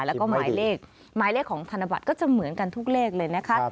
แล้วก็หมายเลขหมายเลขของธนบัตรก็จะเหมือนกันทุกเลขเลยนะคะ